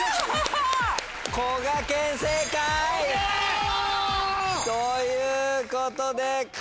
こがけん。ということで。